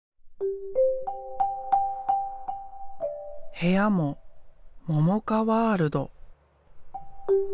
部屋もももかワールド。